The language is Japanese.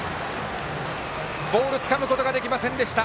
ボールつかむことができませんでした。